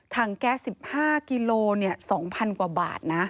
ถังแก๊ส๑๕กิโลเมตร๒๐๐๐กว่าบาทนะ